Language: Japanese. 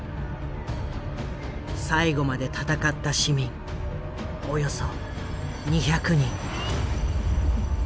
最後まで闘った市民およそ２００人。